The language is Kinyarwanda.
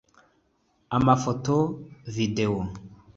Amafoto + Video